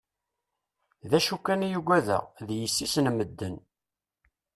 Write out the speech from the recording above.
D acu kan i yugadeɣ, d yessi-s n medden.